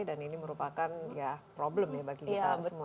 dan ini merupakan ya problem ya bagi kita semua